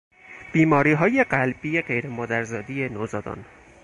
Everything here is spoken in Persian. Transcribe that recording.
بیماریهای قلبی غیرمادرزادی نوزادان